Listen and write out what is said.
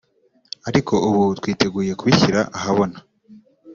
ariko ubu twiteguye kubishyira ahabona